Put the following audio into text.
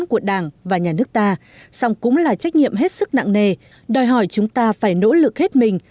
của đảng và nhà nước ta song cúng là trách nhiệm hết sức nặng nề đòi hỏi chúng ta phải nỗ lực hết mình